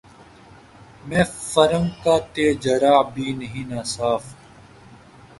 مے فرنگ کا تہ جرعہ بھی نہیں ناصاف